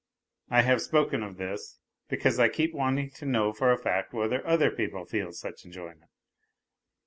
I have spoken of this because I keep wanting to know for a fact whether other people feel such enjoyment